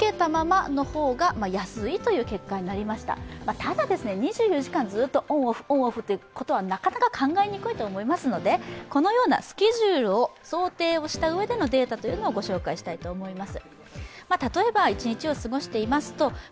ただ、２４時間ずっとオンオフ、オンオフということはなかなか考えにくいと思いますのでこのようなスケジュールを想定したうえでのデータをご紹介したいと思います。